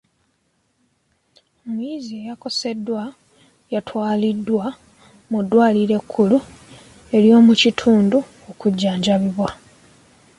Omuyizi eyakoseddwa yatwalidwa mu ddwaliro ekkulu ery'omukitundu okujjanjabibwa.